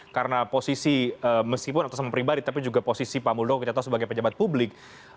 karena posisi meskipun atas nama pribadi tapi juga posisi pak muldoko kita tahu sebagai pejabat publik